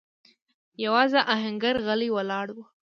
يواځې آهنګر غلی ولاړ و.